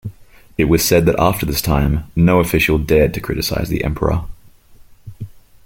It was said that after this time, no official dared to criticize the emperor.